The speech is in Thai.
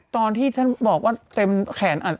ตอนที่ฉันบอกว่าเต็มแขนอัด